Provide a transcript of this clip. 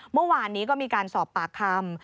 เมื่อวานนี้ก็มีการสอบปากคำ